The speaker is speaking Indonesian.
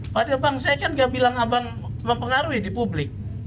pada bang saya kan gak bilang abang mempengaruhi di publik